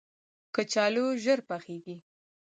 کچالو ژر پخیږي